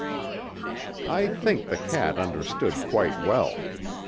I think the cat understood quite well.